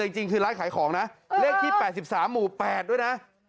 จริงคือร้านขายของนะเลขที่๘๓หมู่๘ด้วยนะ